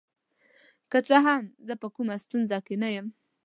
که څه هم زه په کومه ستونزه کې نه یم.